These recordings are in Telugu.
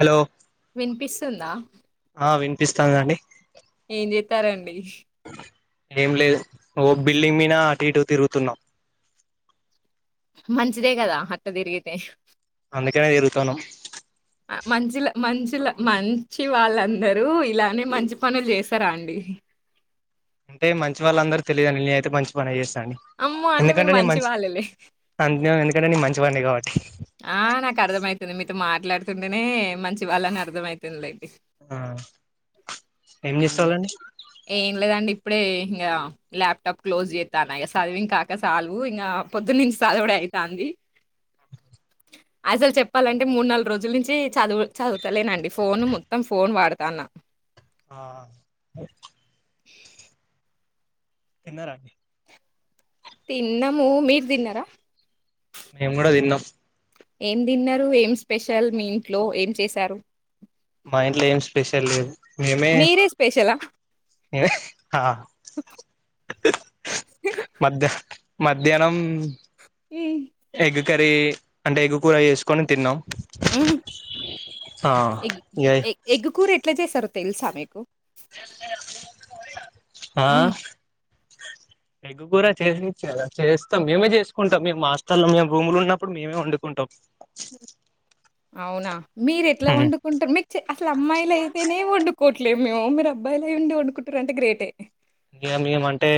హలో వినపిస్ తుంద ఆ వినిపిస్థాంధీ అండి ఏం చెప్పారండి ఏం లేదు ఓ బిల్డింగ్ మీనా అటు ఇటు తిరుగుతున్న మంచిదే కదా అట్ట తిరిగితే అందుకనే తిరుతన్నం మంచిల మంచిల మంచి వాళ్ళందరూ ఇలానే మంచి పనులు చేస్తారా అండి అంటే మంచి వాళ్ళ అందరు తెలిదండి నేను అయితే మంచి పని చేస్ అండి అమ్మో అంటే మీరు ఎందుకంటే నేను మంచి వాళ్ళలే అ ఎందు ఇక్కడ నేన్ మంచివాండి కాబట్టి ఆ నాకు అర్థమయితుంది మీతో మాట్లాడుతుంటేనే మంచి వాళ్ళని అర్థమైతుంది ఆ ఏం చేస్తలండి ప్పుడే ఇంగా ల్యాప్టాప్ క్లోజ్ చేత్తాన్నా ఇగ చదివింకాక చాలు ఇంగ పొద్దునుంచి చదవుడు అయితాంది అసలు చెప్పాలంటే మూడు నాలుగు రోజుల నుంచి చదువు చదువుతలేనండి ఫోన్ మొత్తం ఫోన్ వాడతాన్నా ఆ తిన్నారండి తిన్నము మీర్ తిన్నర మేము గుడా తిన్న ఏం తిన్నారు ఏం స్పెషల్ మీ ఇంట్లో ఏం చేశారు మా ఇంట్లో ఏం స్పెషల్ లేదు మేమే మీరే స్పెషలా హా మధ్య మధ్యానం హ్మ్. హెగు కర్రీ అంటే ఎగ్గు కూర ఏసుకొని తిన్నాం ఊ ఆ ఎగ్ ఇగ ఎగ్గు కూరే ట్ల చేస్తారో తెలుసా మీకు ఆ హ్మ్. ఎగ్ కూర చేసి చేస్తాం మేమే చేసుకుంటాం మేము మాస్టర్లం మేము రూములున్నప్పుడు మేమే వండుకుంటాం అవునా మీరు ఎట్లా వండుకుంటారు, మీకు అసలు అమ్మాయిలు అయితేనే వండు కోట్లేమేమో మీరు అబ్బాయిలేయిండి వండుకుంటారంటే గ్రేటే ఇంకా మేము అంటే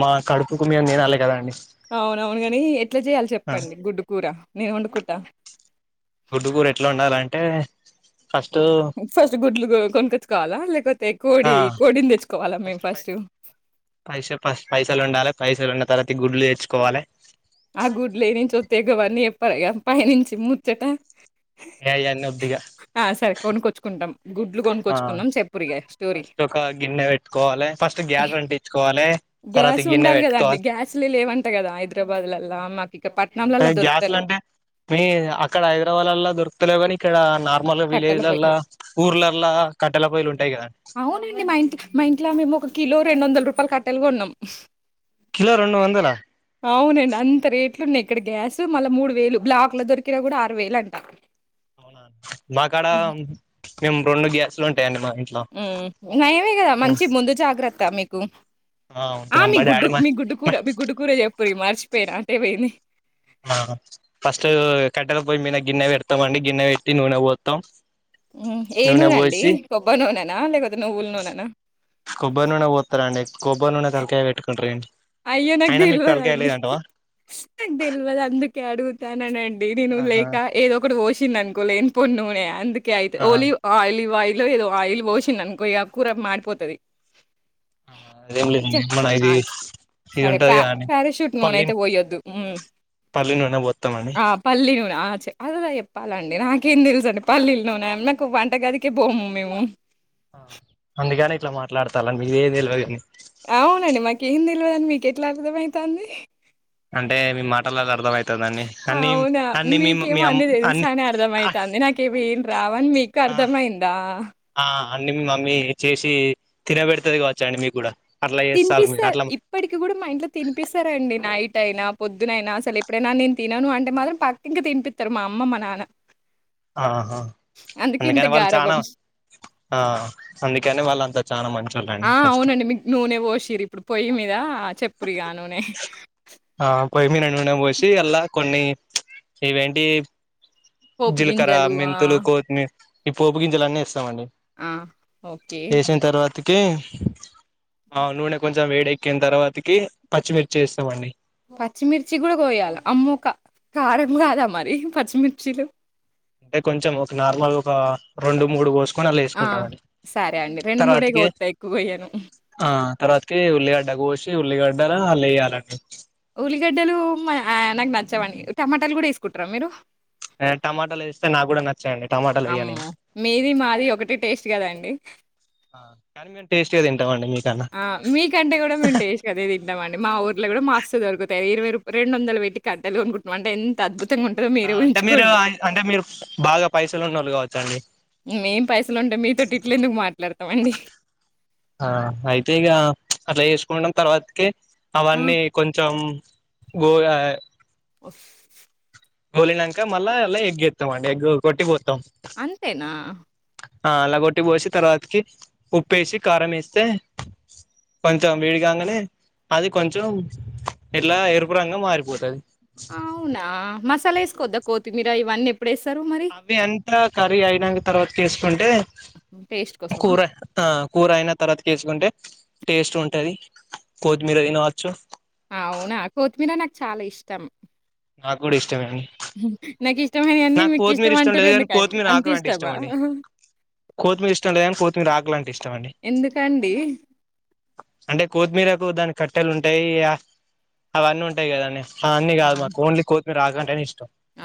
మా కడుపుకు మేము తినాలి కదా అండి అవున అవును ని ఎట్లా చేయాలి చెప్పండి గుడ్డు కూర నేను వండుకుంటా టే ఫస్ట్ గుడ్లు కొనుకోచావాలా లేకపోతే కోడి ఆ కోడిని తెచ్చుకోవాలా మేము ఫస్ట్ ఫస్ పైసలు ఉండాలి పైసలు తరతి గుడ్లు వేచుకోవాలే ఆ గుడ్లు యానుంచి ఎగవన్నీ ఎప్పా పైనుంచి ముచ్చట ఏ అయన్నీ వద్దిగా ఆ సరే కొనుకొచ్చుకుంటాం గుడ్లు కొనుకొచ్చుకున్నాం చెప్పురిగా ఫస్ట్ ఒక గిన్నె పెట్టుకోవాలే, ఫస్ట్ గ్యాస్ అంటించుకోవాలే, తర్వాత గ్యాస్ గిన్నె ఉండాలి పెట్టుకోవా గదండీ! గ్యాస్‌లే లేవంట గదా! హైదరాబాద్‌లల్లా. మాకిక అంటే పట్నంలల్లా గ్యాస్లు దొరుకుతలేవు అంటే మీ అక్కడ హైదరాబాద్లా దొరుకుతలే కానీ ఇక్కడ నా ళ కట్టెల పొయ్యి. విలేజ్లలా దొరకవు. ఊర్లలా కట్టల పోయి లు టైగ అవునండి మా ఇంటి మా ఇంట్లా మేము ఒక కిలో రెండు వందల రూపాయలు కట్టాల గొన్నాం కిలో రెండు వందల అవునండే అంత రే ట్లున్నాయి ఇక్కడ గ్యాస్ మళ్ళా మూడు వేలు, బ్లాక్ లో దొరికిన కూడా ఆరు వేలు అంట అవున నా కాడ హ్మ్. మేము రెడు గ్యాస్ హ్మ్ నయమే కదా మంచి ముందు జాగ్రత్త మీ కు ఆ ఉంటాయండి మీ మా గుడ్డు డాడీ మా మీ గుడ్డుకూర మీ గుడ్డుకూర పరి మరిచపోయర అక్కడ పోయిం ఆ ఫస్ట్ కట్టెలు పోయి మీద గిన్నె పెడతాం అండి గిన్నె పెట్టి నూనె పోతాం హ్మ్ ఎ నూనఅండి కొబ్బర్ న లేకపోతే నువ్వులు నున్ హ్మ్ కొబ్బరి నూనె పోత్తరండి కొబ్బరి నూనే తలకాయ పెట్టుకుంట్ర అండి అయ్యో నాకు దెల్వదండి నాక్ దెల్వద్ అందుకే అడు ట్యన నేన్ నిను ఆహా లేక ఏదో ఒకటి వోష వచ్చిందా అనుకో లెన్పన్ నూనె అందు ఒక అయతే ఆ ఓలివ్ ఆలియి లో ఏదో ఆయిల్ పోసింది అనుకోయిగా కూర మాడిపోతుది అదేం లేదండి మన ఇది ఇది సరే ప ఉంటది కదండి పారాషూట్ పల్లి నూనెయితే పోయొద్దు పల్లి నుండే పోత్తామని ఆ పల్లి అలా చెప్పాలండి నాకేం తెలుస అండి పల్లీలు నూన నాకు వంట గదికే పోము మేము ఆ అందుకని ఇట్లా మాట్లాడతాలని మీ ఏది తెలివది అవునండి మాకు ఏం తెలిదని మీకు ఎట్లా అర్థమైతుంది అంటే మీ మాటలాలా అర్ధం అవుతంది అన్ని అన్నిమ్ అవునా! అన్ని మీకేమో అన్నీ తెలుసని అర్థమైతాంది. నాకేమీ ఏం రావని మీకు అర్థమైందా? మీ మమ్మీ చేసి తినబెడతేది కావచ్చ అండి మీకు కూడా అట్లా చేస్తారు మీరు తినిపిస్తారు అట్లా ఇప్పటికి కూడా మా ఇంట్లో తినిపిస్తారండి నైట్ అయినా పొద్దునైనా అసలు ఎప్పుడైనా నేను తినను అంటే మాత్రం పక్క ఇంకా తినిపిస్తారు మా అమ్మ మా నాన్న ఆహా అందుకే ఇంత అందుకని వాళ్ళు చనా గారాబం. ఆ అందుకని వాళ్ళు అంతా చాలా మంచివాళ్ళండి ఫస్ట్ ఓషరి ఇప్పుడు పోయి మీద ఆ చెప్పురిగా నూనే పోయ్యి మీన నూన పోసి అల్లా కొన్ని ఇవేంటి పోపు జీలకర గింజలు ఆ! మెంతులు కోతిమీర్ ఈ పోపు గిజలన్నీ వేస్తామండి ఆ ఓకే తుగే ఔ నూనె కొంచం వేడెక్ కిన తర్వాతకి పచ్చిమిర్చి వేస్తామండి పచ్చిమిర్చి గూడా కోయాల. అమ్మో! క కారం కాదా మరి పచ్చిమిర్చిలు టే కొంచెం ఒక నార్మల్ ఒక రెండు మూడు కోస్ ఆ సరే అండి రెండు మూడే తర్వాతకి కోత్తా ఎక్కువగొయ్యను ఆ తర్వాతకి ఉల్లిగడ్డ కోషి ఉల్లిగడ్డలను అళ్ళెయ్యాలండి ఉల్లిగడ్డలు ఉం అయ్ నాకు నచ్చవండి టమాటాలు కూడా ఏసుకుంటారా మీరు ఆ టమాటాలేస్తే నా కూడా న అమ్మో మీది మాది ఒకటే టేస్ట్ కదండి టమండి మీ ఆ మీకంటే కూడా మేము టేస్ట్ గదే తింటామండి మా ఊర్లో కూడా మాస్తు దొరుకుతాయి ఇరవై రూ రెండూ వందలు పెట్టి కట్టలు కొనుకుంటున్నమంటే ఎంత అద్భుత్ ఆ అంటే మీరు అంటే మీరు బాగా పైసలు ఉన్నోళ్ళు కావచ్చండి మేం పైసలు ఉంటే మీతోటి ఇట్ల ఎందుకు మాట్లాడతామండి ఆ అయితే ఇగ ప్చ్ అట్లా చేసుకుంటం తర్వాతకి ఆ! అవన్నీ కొంచెం గోగాయ్ ఉఫ్ గోలినంక మల్ల అల్ల ఎగ్ ఎత్తం ఎగ్ కొట్టిపో అంతేనా ఆ అల్లగొట్టి పోసి తర్వాతకి ఉప్పేసి కారం వేస్తే కొంచెం వేడిగాంగనే అది కొంచెం ఇట్లా ఎరుపురంగుగ మారిపోతది. అవునా మస్ సాల వేసుకోవద్ద కొత్తిమీర ఇవన్నీ ఎప్పుడేస్తారు మరి? అవి అంతా కర్రీ అయినాంక తర్వాత కేసుకుంటే టేస్ట్ కోసమా? కూర ఆ కూర అయిన, తర్వాతకి వేసుకుంటే టేస్ట్ ఉంటది కొత్తిమీర తినవచ్చు అవునా కొత్మీరా నాకు చాలా ఇష్టం నాకు కూడా ఇష్ మ్ హ్ నాకు ఇష్టమైన అన్ని మీకు కొత్తిమీర ఇష్టం అంటారు లేదు కానీ ఎందుకండి కొత్తిమీర అంత ఆకులు అంటే ఇష్టం ఇష్టమా అండి కొత్తిమీర ఇష్టం లేదు కానీ కొత్తిమీర ఆకులు అంటే ఇష్టం అండి ఎందుకండి. అంటే కొత్మీరకు దాని కట్టెలు ఉంటాయి ఇగ అవన్నీ ఉంటాయి కదాండి అవన్ని ఆ! గాదు కొత్తిమీర ఆకు అంటే నే ఇష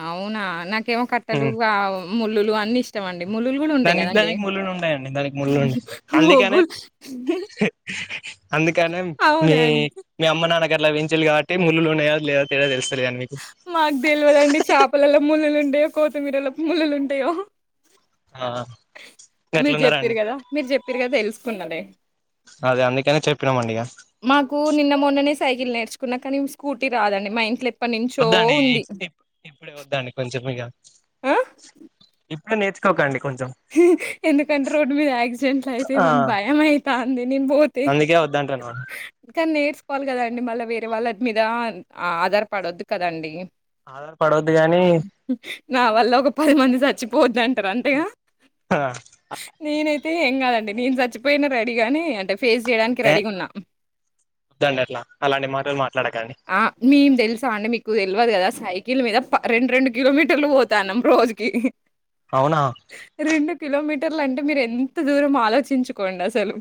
అవునా నాకేమో కట్టెలు ఆ ముళ్ళులు అన్నీ ఇష్టం అండి, ముళ్లులు కూడా ఉంటాయి దాని కదండి, దానికి ముళ్ళులు ఉంటాయండి దానికి ముళ్ళులు ఉంటాయి అందుకనే [unintelligible] అందుకనేం మీ మీ అమ్మ నాన్న ఇక్కడ లభించలేదు కావట్టి ముళ్లులు ఉన్నాయా లేదో తేడా తెలుస్ [unintelligible] మాకు తెల్వదు అండి చేపల్లో ముల్లులు ఉం టే కొత్తిమీర లో ముల్లులు ఉంటాయో ఆ మీరు గట్లున్నారా అండి చెప్పారి కదా, మీరు చెప్పారి కదా, తెలుసుకున్నడే అదే అందుకనే చెప్పినమండి ఇగ మాకు నిన్న మొన్ననే సైకిల్ నేర్చుకున్నా కానీ స్కూటీ రాదండి మా ఇంట్లో ఎప్పటినుంచో వద్దండి ఉంది. ఇప్పు ఇప్పుడే వద్దాండి కొంచెం ఇక ఆ! ఇప్పుడే నేర్చుకోకండి కొంచెం ఎందుకంటే రోడ్డు మీద యాక్సిడెంట్లు ఆ అయితేమని భయం అయితా అంది నేను పోతే, అందుకే వద్దంటున్నా కానీ నేర్చుకోవాలి కదాండి మళ్ళా వేర్ అ వాళ్ళ మీద ఆధార్ కార్డ్ వద్దు కదండి ఆధార్ పడవద్దు గాని నా వల్ల ఒక పది మంది చచ్చిపోద్ది అంటారు అంతేగా ఆ తె ఏం కాదండి నేను చచ్చిపోయినా రెడీగాని అంటే ఫేస్ చేయడానికి ఏ రెడీగా ఉన్నా, వద్దండి అట్లా అలాంటి మాటలు మాట్లాడకండి అ మేం తెలుసా అంటే మీకు తెలియదు కదా సై కీల మీద రెండు రెండు కిలోమీటర్లు పోతాన్నాం రోజుకి అవునా రెండు కిలోమీటర్లు అంటే మీరు ఎంత దూరం ఆలోచించుకోండి అసలు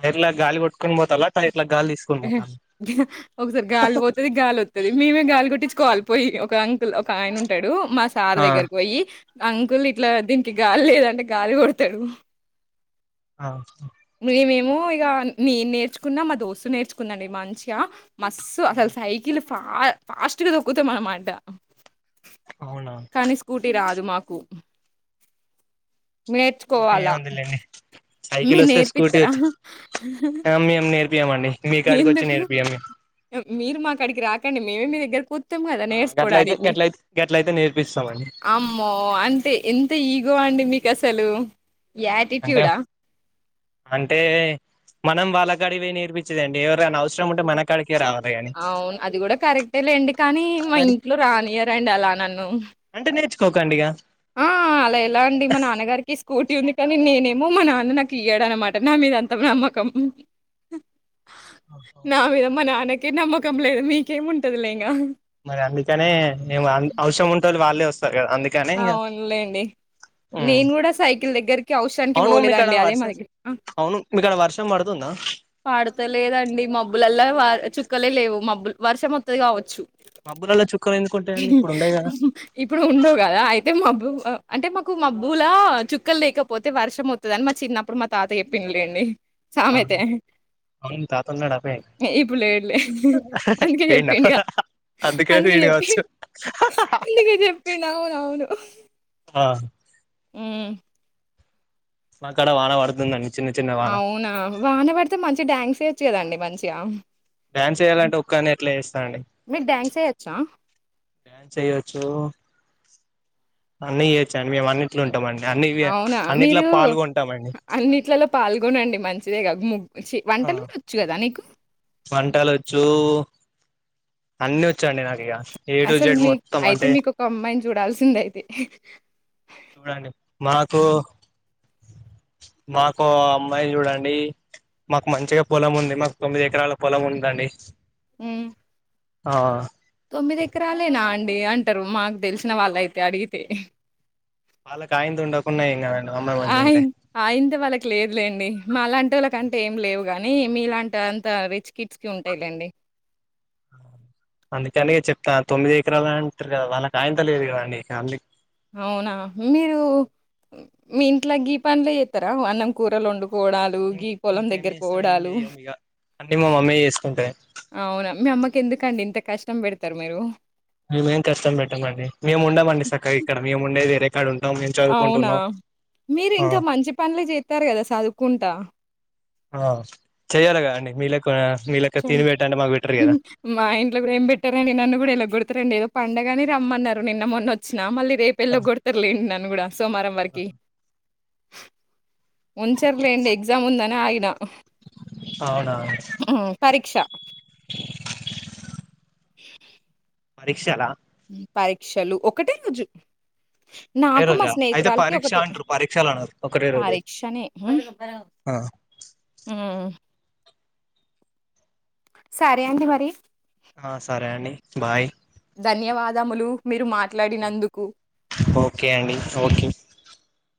టైర్లా గాలి కొట్టుకొని పోతాలా టైర్లా గాలి తీసుకొని పోతాలా ఒకసారి గాలి పోతుది గాలి వతది మేమే గాలి కొట్టిచు కోలిపోయి ఒక అంకుల్ ఒక ఆయన ఉంటాడు మా సార్ ఆ దగ్గరకు పోయి అంకుల్ ఇట్లా దీనికి గాలి లేదంటే గాలి కొడతాడు ఆ టే మేము ఇక నేను నేర్చుకున్నా మా దోస్తు నేర్చుకుందా అండి, మంచిగా మస్సు అసలు సైకిల్ ఫా ఫాస్ట్ గా దొక్కుతాం అన్నమాట అవునా కానీ స్కూటీ రాదు మా కు స్కూటీ నేర్చుకోవాలా ఏముందిలేండి మే సైకిల్ వస్తే స్కూటీ నేర్పితారా ఏమొండి మీకాడికి వచ్చి నేర్పియమి మీరు మాక్కడికి రాకండి మేమే మీ దగ్గరకి వా అర్థం కదా గట్లయితే నేర్చకోడానికి గట్లయితే గట్లయితే నేర్పిస్తామండి అమ్మో అంటే ఎంత ఈ ఇగ అండి మీకసలు అంటే యటిట్యూడ్ హా అంటే మనం వాళ్ల గాడికి నేర్పించదండి ఎవరైనా అవసరం ఉంటే మన కాడికే రావాలి గాని అవును అది కూడా కరెక్టే లేండి, కానీ మా మరి ఇంట్లో రానియ్యారండి అలా నన్ ఉ అంటే నేర్చుకోకండి ఇక ఆ అలా ఎలా అండి మా నాన్నగారికి స్కూటీ ఉంది కానీ నేనేమ్ ఏమో మా నాన్న నాకు ఇయ్యాడ అనమాట నా మీదంత నమ్మకం నావ ఇదమ్మా నానక కే నమ్మకం లేదు మీకేం ఉంటది లే ఇంకా మరి అందుకనే ఎం అవసరం ఉంటే వాళ్ళే వస్తారు కదా అందుకే అవునులేండి, నేను కూడా సైకిల్ దగ్గరికి అవసరానికి అవును మీకాడ పోలేదండి అదే మా వర్షం దగ్గర అ అవును మీకాడ వర్షం పడుతుందా పాడతలేదండి మబ్బుల అల్లే వే చుక్కలే లేవు మబ్బలు వర్షం వస్తది కావచ్చు మబ్బులలో చుక్కలు ఎందుకుంటాయండి ఇప్పుడు ఉండవు కదా ఇప్పుడు ఉండవు గదా! అయితే మాబ్బు, అంటే మాకు మా మబ్బులా చుక్కలు లేకపోతే వర్షం వస్తుందని అని మా చిన్నప్పుడు మా తాత చెప్పిందిలేండి. సామెత అవును తాత ఉన్నాడా ఇప్పుడు లేలే అందుకే పోయిండా చెప్పింగా అందుకే పోయిండు చెప్పి కావచ్చు అందుకే చెప్పిన అవును యమ్ మా కాడ వాన పడుతుందండి చిన్న చిన్న వాన అవునా వాన పడితే మం మంచిగా డాన్స్ వేయొచ్చు కదండి మంచిగా డ్యాన్స్ చేయాలంటే ఒక్కడినే ఎట్లా చేస్తా అండి మీకు డాన్స్ ఎయొచ్చా? డ్యాన్స్ చెయొచ్చు అన్నీ చెయ్యొచ్చు అండి మేము అన్నిట్లు అవునా మీరు పాల్గొంటామండి అన్నిట్లలో పాల్గొనండి మం చేయగ ము ఆ వంటలు వచ్చు అన్నీ వచ్ అసలు మీ అయితే అంటే మీకు ఒక అమ్మాయిని చూడాల్సింద అయితే చూడండి మాకు మాకు అమ్మాయి చూడండి. మాకు మంచిగా పొలం ఉంది, మాకు తొమ్మిది ఎకరాల పొలం ఉందండి. హ్మ్ ఆ తొమ్మిది ఎకరాలేనా అండి అంటరు మాకు తెలిసిన వాళ్ళే అయితే అడిగితే వాళ్ళకు అయిందుండుకున్న ఏం కాదండి అమ్మాయి మంచిగా అయ్యి ఉంటే ఆయంత వాళ్ళకి లేదులేండి మాలాంటి వాళ్ళకి అం ఏం లేవు కాని మీ ఇలాంటి అంత రిచ్ కిడ్స్ కి ఉంటాయి లేండి అందుకే అని చెప్తాను తొమ్మిది ఎకరాలు అంటారు కదా వాళ్ళకి ఆయంత లేదు కదండి [unintelligible] అవునా! మీరు హ్మ్, మీ ఇంట్లో గీ పనులు చేస్తారా అన్నం కూరలు వండు ఇం ఇంకేం చేస్తాం ఏం చెయ్య ఇక అన్ని మా మమ్మీ చేసుకుంటాది అవునా మీ అమ్మకి ఎందుకండి ఇంత కష్టం పెడుతరు మీరు మేమేం కష్టం పెట్టామండి మేము ఉండమండి సక్కగా ఇక్కడ మేము ఉండేది వేరే కాడ ఉంటాం మేము అవునా చదువుకుంటున్నాం మీరు ఆ ఇంకా మంచి పనులే జేత్తారు కదా చదువుకుంటా ఆ చెయ్యాలి గదా అండి మీ లెక్ చెన్ మా ఇంట్లో కూడా ఏం పెట్టరండి నన్ను కూడా ఎల్లగొడతరండి ఏదో పండగని రమ్మన్నారు నిన్న మొన్న వచ్చినా మళ్ళీ రేపు ఎల్లగొడతారులేండి నన్ను కూడా సోమవారం వరకి ఉంచర్లేండి ఎగ్జామ్ ముందనే ఆగినా అవునా హ్ పరీక్ష పరీక్షలా మ్మ్ పరీక్షలు ఒక్కటే రోజు ఒకే నాకు మా రోజా అయితే స్నేహితురాలికి పరీక్ష ఒకటే అంటారు పరీక్షలు అనరు ఒకటే రోజు పరీక్షనే హ్మ్. సరే అండి మరి ఆ సరే అండి బాయ్ దములు మీరు మా ఓకే అండి ఓకే